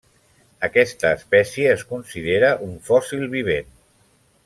Aquesta espècie es considera un fòssil vivent.